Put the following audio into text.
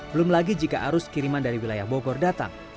belum lagi jika arus kiriman dari wilayah bogor datang